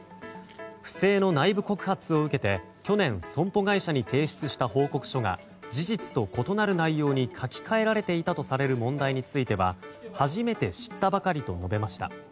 不正の内部告発を受けて去年、損保会社に提出した報告書が事実と異なる内容に書き換えられていたとされる問題については初めて知ったばかりと述べました。